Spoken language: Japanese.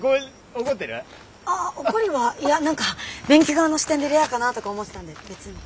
ああ怒りはいや何か便器側の視点でレアかなとか思ってたんで別に。